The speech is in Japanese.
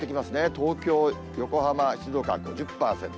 東京、横浜、静岡５０％。